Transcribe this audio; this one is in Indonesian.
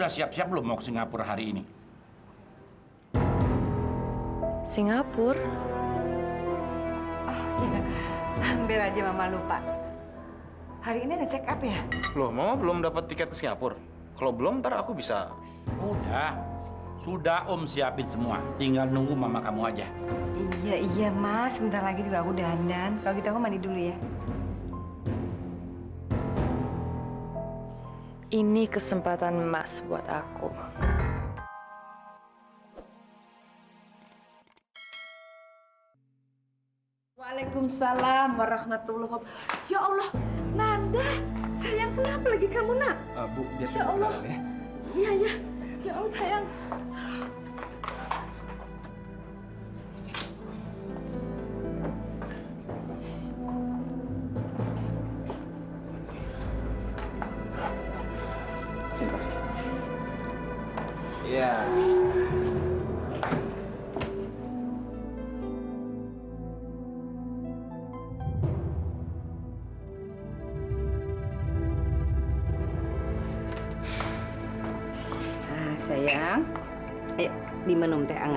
sampai jumpa di video selanjutnya